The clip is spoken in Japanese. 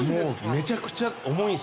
めちゃくちゃ重いんですよ